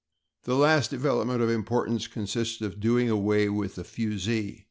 The last development of importance consisted in doing away with the fusee.